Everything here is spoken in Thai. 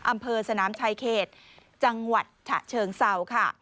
อำเภอสนามชายเขตจังหวัดฉะเชิงเศร้าค่ะ